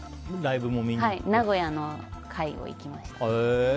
名古屋の回に行きました。